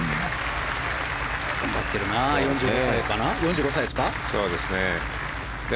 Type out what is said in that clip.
頑張ってるな４５歳ですか。